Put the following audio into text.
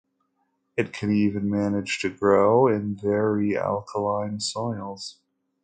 It can even manage to grow in very alkaline soils.